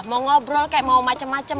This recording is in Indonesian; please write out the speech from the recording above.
mau ngobrol kayak mau macem macem